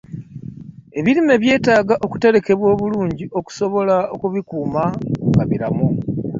Ebirime byetaaga okuterekebwa obulungi okusobola okubikuuma nga biramu.